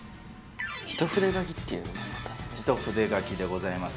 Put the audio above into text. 一筆描きっていうのがまた一筆描きでございます